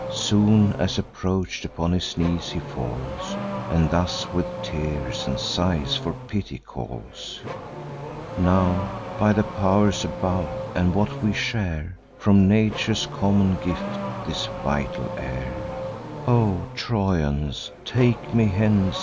Soon as approach'd, upon his knees he falls, And thus with tears and sighs for pity calls: 'Now, by the pow'rs above, and what we share From Nature's common gift, this vital air, O Trojans, take me hence!